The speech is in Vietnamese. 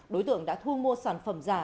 đối tượng đã thu mua sản phẩm giả